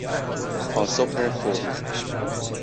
پاسخ فوری